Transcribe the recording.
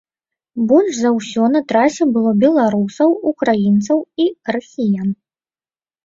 Больш за ўсё на трасе было беларусаў, украінцаў і расіян.